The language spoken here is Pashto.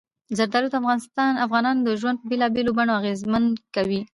زردالو د افغانانو ژوند په بېلابېلو بڼو اغېزمن کوي.